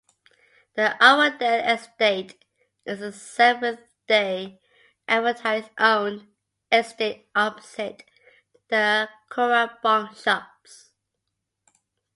The Avondale Estate is a Seventh-day Adventist owned estate opposite the Cooranbong shops.